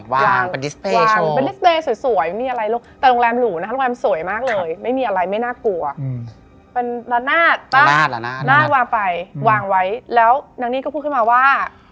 วางไปวางไว้แล้วนางนี่ก็พูดขึ้นมาว่า